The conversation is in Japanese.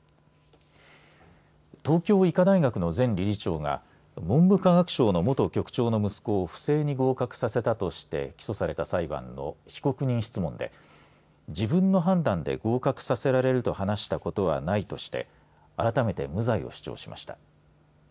東京医科大学の前理事長が文部科学省の元局長の息子を不正に合格させたとして起訴された裁判の被告人質問で自分の判断で合格させられると話したことはないとして改めて無罪を主張しました。